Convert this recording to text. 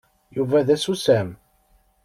Yuba d asusam.